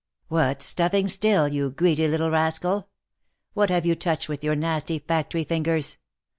" What stuffing still, you greedy little rascal ? What have you touched with your nasty factory fingers